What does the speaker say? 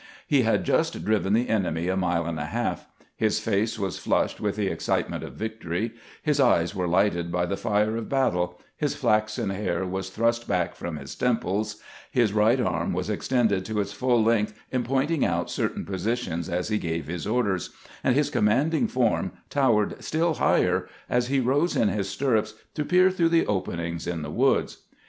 He had just driven the enemy a mile and a half. His face was flushed with the excitement of victory, his eyes were lighted by the fire of battle, his flaxen hair was thrust back from his temples, his right arm was ex tended to its full length in pointing out certain'positions as he gave his orders, and his commanding form towered still higher as he rose in his stirrups to peer through the openings in the woods.